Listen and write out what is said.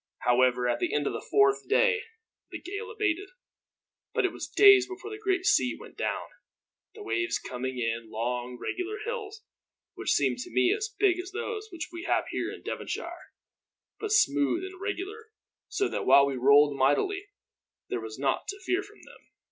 However, at the end of the fourth day the gale abated; but it was days before the great sea went down, the waves coming in long regular hills, which seemed to me as big as those which we have here in Devonshire; but smooth and regular, so that while we rolled mightily, there was naught to fear from them."